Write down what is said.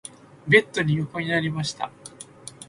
ベッドに横になりました。